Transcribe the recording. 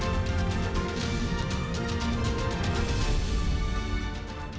ini juga sudah terjadi